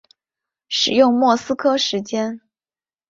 使用莫斯科时间。